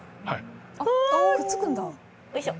よいしょ。